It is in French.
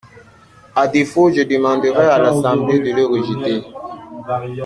À défaut, je demanderai à l’Assemblée de le rejeter.